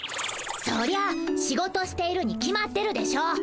そりゃ仕事しているに決まってるでしょ。